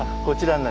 こちら？